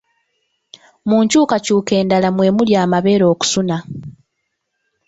Mu nkyukakyuka endala mwe muli amabeere okusuna.